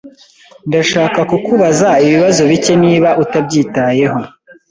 Ndashaka kukubaza ibibazo bike niba utabyitayeho.